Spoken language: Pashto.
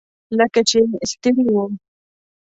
لکه چې ستړي وو.